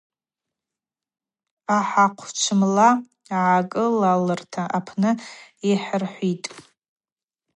Ахӏахъвчвымла агӏакӏылалырта апны йхӏырхӏвытӏ.